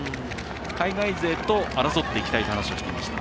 海外勢と争っていきたいという話をしていました。